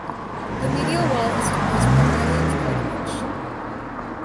The medial wall is composed primarily of cartilage.